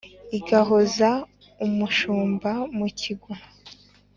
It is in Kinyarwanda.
Igahoza umushumba mu kigwa !